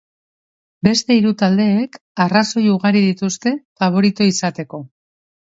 Beste hiru taldeek arrazoi ugari dituzte faborito izateko.